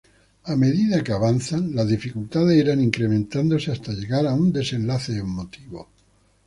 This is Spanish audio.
A medida que avanzan, las dificultades irán incrementándose hasta llegar a un desenlace emotivo.